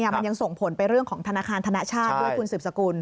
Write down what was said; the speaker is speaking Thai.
มันยังส่งผลไปเรื่องของธนาคารธนชาติด้วยคุณสืบสกุล